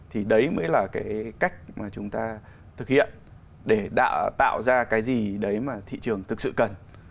thì đấy mới là cái cách mà chúng ta thực hiện để tạo ra cái gì đấy mà thị trường thực sự cần